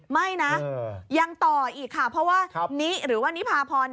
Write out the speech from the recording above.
ไม่นะยังต่ออีกค่ะเพราะว่านิหรือว่านิพาพร